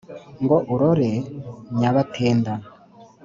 ngo urore nyabatenda